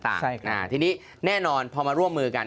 ทีนี้แน่นอนพอมาร่วมมือกัน